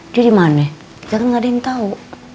dia dimana kita kan gak ada yang tau